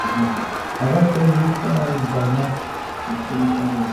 هغه خپل زوی ځایناستی کړي.